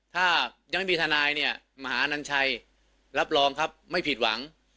ถ้ายังไม่มีทนายเนี่ยมหานัญชัยรับรองครับไม่ผิดหวัง